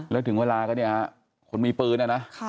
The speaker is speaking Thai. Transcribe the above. แล้วถึงเวลาก็คนมีปืน